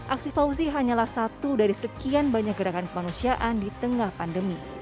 aksi fauzi hanyalah satu dari sekian banyak gerakan kemanusiaan di tengah pandemi